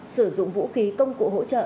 sử dụng vũ khí công cụ hỗ trợ